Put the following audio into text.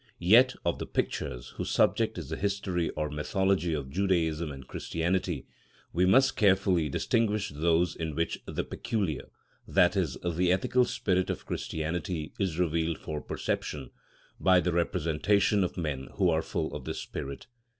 Yet of the pictures, whose subject is the history or mythology of Judaism and Christianity, we must carefully distinguish those in which the peculiar, i.e., the ethical spirit of Christianity is revealed for perception, by the representation of men who are full of this spirit.